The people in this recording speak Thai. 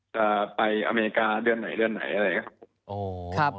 จะไปอเมริกาเดือนไหนอะไรนะครับ